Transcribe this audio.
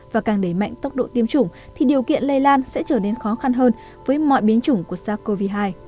và càng đẩy mạnh tốc độ tiêm chủng thì điều kiện lây lan sẽ trở nên khó khăn hơn với mọi biến chủng của sars cov hai